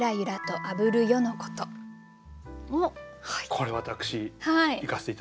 これ私いかせて頂きたいです。